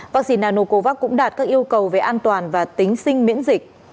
vaccine nanocovax cũng đạt các yêu cầu về an toàn và tính sinh miễn dịch